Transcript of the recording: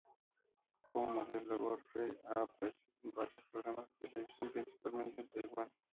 Como modelo Godfrey ha aparecido en varios programas de televisión, principalmente en Taiwán.